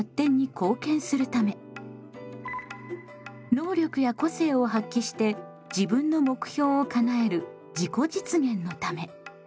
能力や個性を発揮して自分の目標をかなえる自己実現のため。